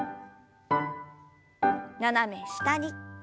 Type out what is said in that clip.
斜め下に。